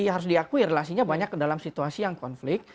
ya harus diakui relasinya banyak dalam situasi yang konflik